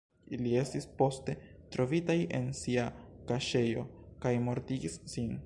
Ili estis poste trovitaj en sia kaŝejo kaj mortigis sin.